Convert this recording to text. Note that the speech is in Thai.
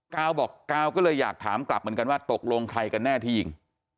กาวบอกกาวก็เลยอยากถามกลับเหมือนกันว่าตกลงใครกันแน่ที่ยิง